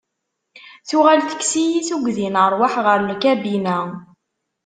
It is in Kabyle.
Tuɣal tekkes-iyi tuggdi n rrwaḥ ɣer lkabina.